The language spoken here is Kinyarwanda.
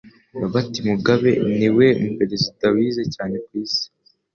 Robert Mugabe niwe mu perezida wize cyane ku isi,